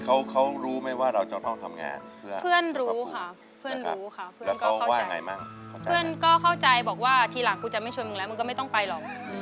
แล้วเพื่อนเขารู้ไหมว่าเราจอดห้องทำงานเพื่อ